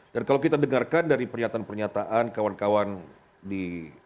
dan kalau kita dengarkan dari pernyataan pernyataan kawan kawan di